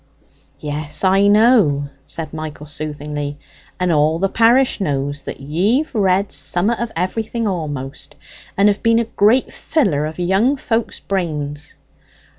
"Yes, I know," said Michael soothingly, "and all the parish knows, that ye've read sommat of everything a'most, and have been a great filler of young folks' brains.